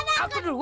eh aku dulu